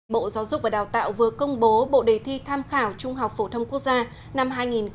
bộ giáo dục và đào tạo vừa công bố bộ đề thi tham khảo trung học phổ thông quốc gia năm hai nghìn một mươi chín